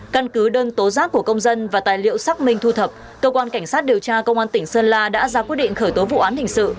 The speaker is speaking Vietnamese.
căn cứ đơn tố giác của công dân và tài liệu xác minh thu thập cơ quan cảnh sát điều tra công an tỉnh sơn la đã ra quyết định khởi tố vụ án hình sự